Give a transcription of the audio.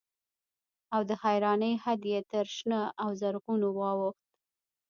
او د حيرانۍ حد يې تر شنه او زرغونه واوښت.